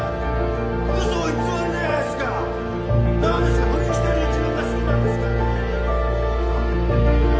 ウソ偽りないんですか何ですか不倫してる自分が好きなんですか何言ってんだ